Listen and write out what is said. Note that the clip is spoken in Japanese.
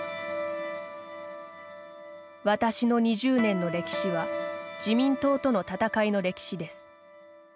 「私の２０年の歴史は自民党との闘いの歴史です。